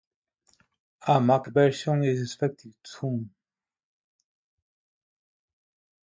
A Mac version is expected soon.